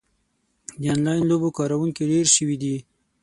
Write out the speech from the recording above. د انلاین لوبو کاروونکي ډېر شوي دي.